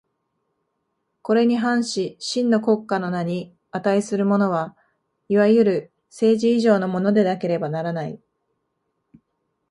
これに反し真の国家の名に価するものは、いわゆる政治以上のものでなければならない。